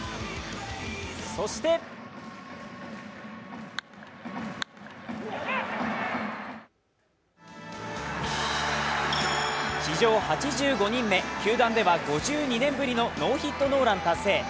そして史上８５人目、球団では５２年ぶりのノーヒット・ノーラン達成。